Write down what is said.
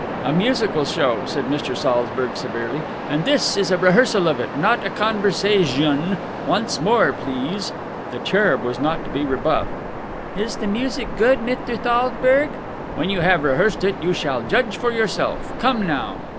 "A musical show," said Mr. Saltzburg severely, "and this is a rehearsal of it, not a conversazione. Once more, please." The cherub was not to be rebuffed. "Is the music good, Mithter Thalzburg?" "When you have rehearsed it, you shall judge for yourself. Come now...."